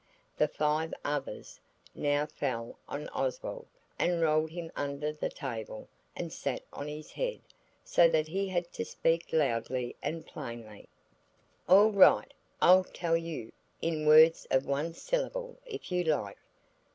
The five others now fell on Oswald and rolled him under the table and sat on his head so that he had to speak loudly and plainly. THE FIVE OTHERS. "All right! I'll tell you–in words of one syllable if you like.